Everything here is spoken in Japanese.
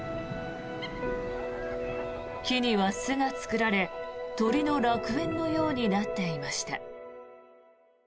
木には巣が作られ鳥の楽園のようになっていました。